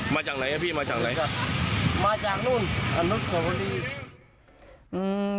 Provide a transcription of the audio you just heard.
มาจากนู้นอรุณสวรรค์